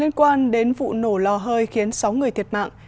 liên quan đến vụ nổ lò hơi khiến sáu người thiệt mạng